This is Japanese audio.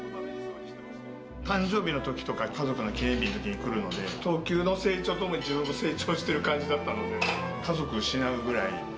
誕生日のときとか、家族の記念日のときに来るので、東急の成長と共に自分も成長してる感じだったので。